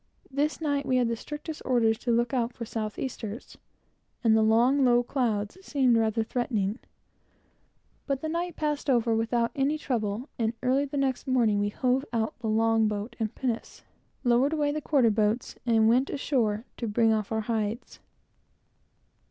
This night we had the strictest orders to look out for south easters; and the long, low clouds seemed rather threatening. But the night passed over without any trouble, and early the next morning, we hove out the long boat and pinnace, lowered away the quarter boats, and went ashore to bring off our hides.